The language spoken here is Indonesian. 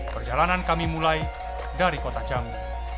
perjalanan kami mulai dari kota jambi